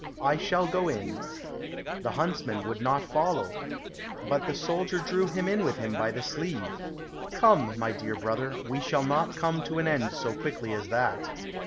I shall go in." The huntsman would not follow, but the soldier drew him in with him by the sleeve. "Come, my dear brother, we shall not come to an end so quickly as that!"